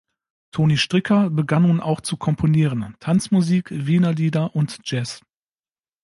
Toni Stricker begann nun auch zu komponieren: Tanzmusik, Wienerlieder und Jazz.